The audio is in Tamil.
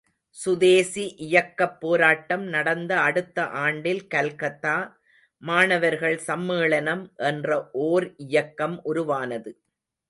சுதேசி இயக்கப் போராட்டம் நடந்த அடுத்த ஆண்டில் கல்கத்தா மாணவர்கள் சம்மேளனம் என்ற ஓர் இயக்கம் உருவானது.